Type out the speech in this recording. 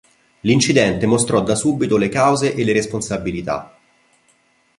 L'incidente mostrò da subito le cause e le responsabilità.